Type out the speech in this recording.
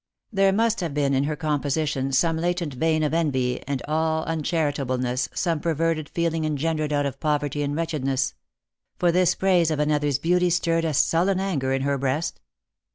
There must have been in her com position some latent vein of envy and all uncharitableness, some perverted feeling engendered out of poverty and wretchedness ; for this praise of another's beauty stirred a sullen anger in her breast.